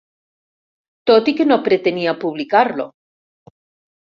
Tot i que no pretenia publicar-lo.